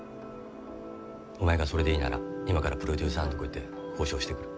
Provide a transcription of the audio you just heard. お前がそれでいいなら今からプロデューサーんとこ行って交渉してくる。